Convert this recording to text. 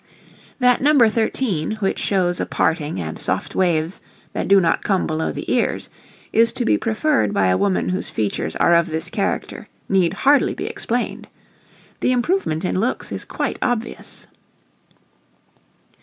That No. 13, which shows a parting and soft waves that do not come below the ears, is to be preferred by a woman whose features are of this character need hardly be explained. The improvement in looks is quite obvious.